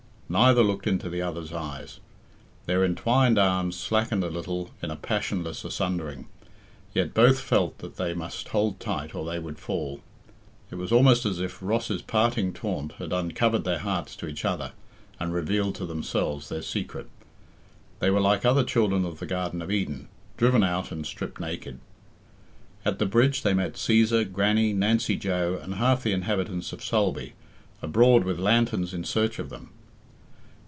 Neither looked into the other's eyes. Their entwined arms slackened a little in a passionless asundering, yet both felt that they must hold tight or they would fall. It was almost as if Ross's parting taunt had uncovered their hearts to each other, and revealed to themselves their secret. They were like other children of the garden of Eden, driven out and stripped naked. At the bridge they met Cæsar, Grannie, Nancy Joe, and half the inhabitants of Sulby, abroad with lanterns in search of them.